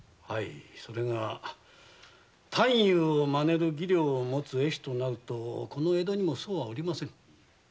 それが探幽をマネる技量をもつ絵師となるとこの江戸にもそうはおりませぬ。